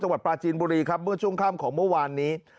วัดปลาจีนบุรีครับเมื่อช่วงค่ำของเมื่อวานนี้